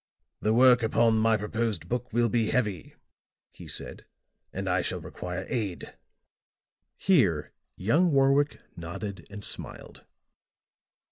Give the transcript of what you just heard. "'The work upon my proposed book will be heavy,' he said, 'and I shall require aid.'" Here young Warwick nodded and smiled.